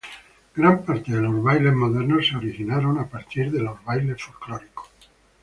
Gran parte de los bailes modernos se originó a partir de bailes folclóricos.